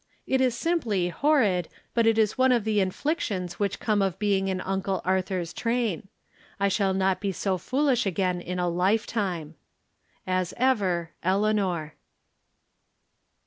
It is simply horrid, but it is one of the inflictions which come of being in Uncle Arthur's tram. I shall not be so foolish again in a lifetime. As ever, Eleaijoe.